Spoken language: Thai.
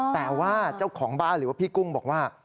แต่ว่าเจ้าของบ้านหรือว่าพี่กุ้งบอกว่า